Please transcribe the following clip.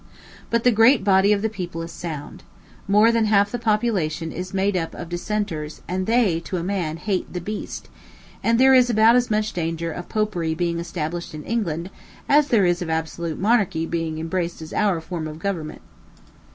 But the great body of the people is sound. More than half the population is made up of dissenters and they, to a man, hate "the beast;" and there is about as much danger of Popery being established in England as there is of absolute monarchy being embraced as our form of government.